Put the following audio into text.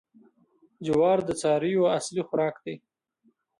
جوار د څارویو اصلي خوراک دی.